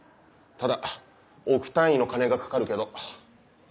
ただ億単位の金がかかるけど。